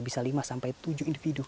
bisa lima sampai tujuh individu